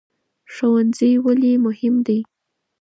ښوونځی ولې مهم دی؟